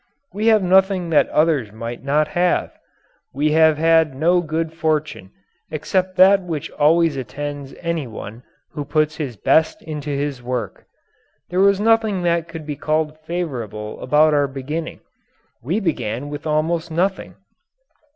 We have nothing that others might not have. We have had no good fortune except that which always attends any one who puts his best into his work. There was nothing that could be called "favorable" about our beginning. We began with almost nothing.